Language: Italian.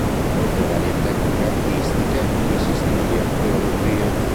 Oltre a varie tecniche artistiche, vi si studia teologia.